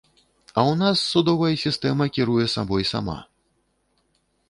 А ў нас судовая сістэма кіруе сабой сама.